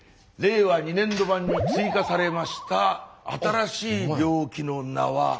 令和２年度版に追加されました新しい病気の名は。